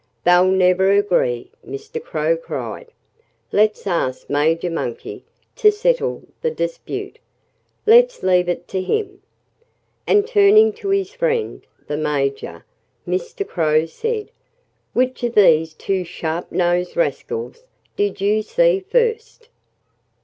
"They'll never agree," Mr. Crow cried. "Let's ask Major Monkey to settle the dispute! Let's leave it to him!" And turning to his friend, the Major, Mr. Crow said: "Which of these two sharp nosed rascals did you see first?"